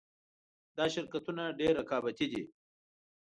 دا شرکتونه ډېر رقابتي دي